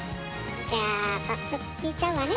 じゃあ早速聞いちゃうわね。